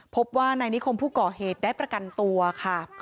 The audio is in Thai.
พบว่านายนิคมผู้ก่อเหตุได้ประกันตัวค่ะ